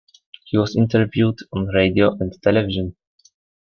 He was interviewed on radio and television.